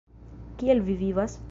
Kiel vi vivas?